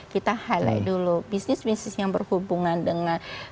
kita highlight dulu bisnis bisnis yang berhubungan dengan